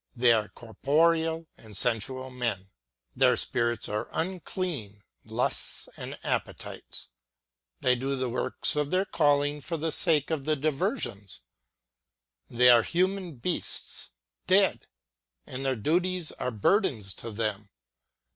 They are corporeal and sensjual men. Their spirits are unclean, ŌĆö lusts and appetites. They do the works of their calling for the sake of the diversions. They are human beasts, ŌĆö dead ; and their duties are burdens to them.